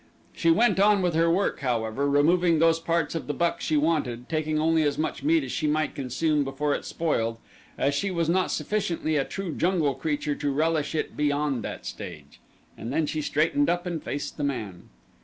She went on with her work, however, removing those parts of the buck she wanted, taking only as much meat as she might consume before it spoiled, as she was not sufficiently a true jungle creature to relish it beyond that stage, and then she straightened up and faced the man.